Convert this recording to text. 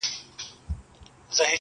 کعبه د ابراهیم راڅخه ورکه سوه خاونده!.